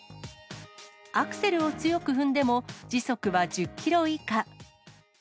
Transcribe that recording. アクセルを強く踏んでも、時速は１０キロ以下。